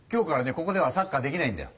ここではサッカーできないんだよ。